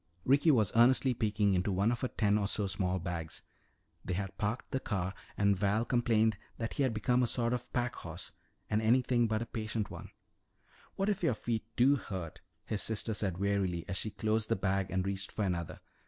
Ricky was earnestly peeking into one of her ten or so small bags. They had parked the car and Val complained that he had become a sort of packhorse, and anything but patient one. "What if your feet do hurt," his sister said wearily as she closed the bag and reached for another.